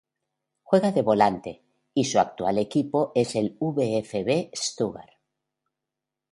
Juega de volante y su actual equipo es el VfB Stuttgart.